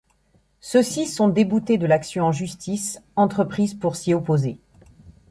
Ceux-ci sont déboutés de l'action en justice entreprise pour s'y opposer.